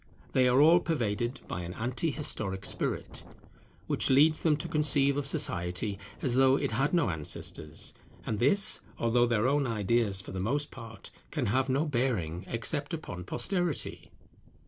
They are all pervaded by an anti historic spirit, which leads them to conceive of Society as though it had no ancestors; and this, although their own ideas for the most part can have no bearing except upon posterity.